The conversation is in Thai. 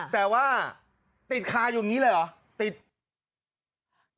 แต่ว่าติดคาอยู่อย่างนี้เลยเหรอติด